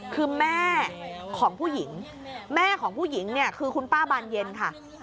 คือแม่ของผู้หญิงแม่ของผู้หญิงเนี่ยคือคุณป้าบานเย็นค่ะ